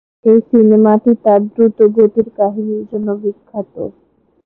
এই সিনেমাটি তার দ্রুত গতির কাহিনীর জন্য বিখ্যাত।